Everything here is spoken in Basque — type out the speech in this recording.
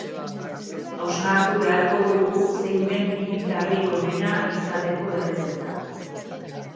Hausnartu beharko dugu, zein den hiritarrik onena izateko errezeta.